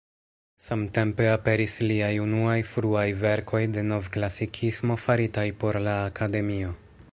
Samtempe aperis liaj unuaj fruaj verkoj de Novklasikismo faritaj por la Akademio.